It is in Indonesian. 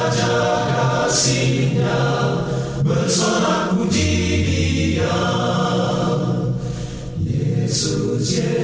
jemput kita ke surga